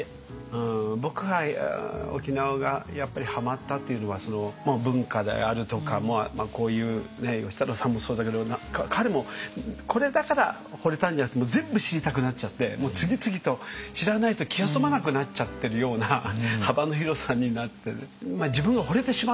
うん僕は沖縄がハマったっていうのは文化であるとかこういう芳太郎さんもそうだけど彼もこれだからほれたんじゃなくて全部知りたくなっちゃって次々と知らないと気が済まなくなっちゃってるような幅の広さになってる。